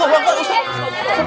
eh bangun ustadz